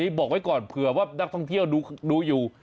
บอกไว้ก่อนเผื่อว่านักท่องเที่ยวดูอยู่